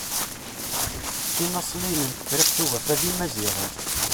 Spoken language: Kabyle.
Inaṣliyen n tefṛiqt ugafa d Imaziɣen.